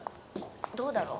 「どうだろう？」